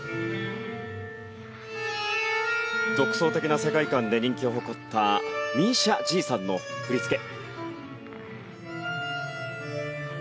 独創的な世界観で人気を誇ったミーシャ・ジーさんの振り付け。